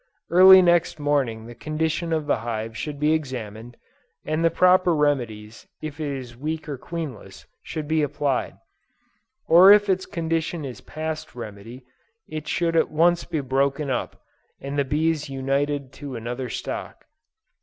Early next morning the condition of the hive should be examined, and the proper remedies if it is weak or queenless should be applied; or if its condition is past remedy, it should at once be broken up, and the bees united to another stock.